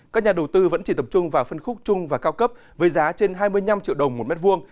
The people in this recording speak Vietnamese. các nhà đầu tư vẫn chỉ tập trung vào phân khúc chung và cao cấp với giá trên hai mươi năm triệu đồng một mét vuông